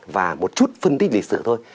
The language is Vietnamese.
và một chút phân tích lịch sử thôi